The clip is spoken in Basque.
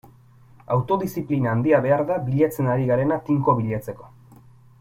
Autodiziplina handia behar da bilatzen ari garena tinko bilatzeko.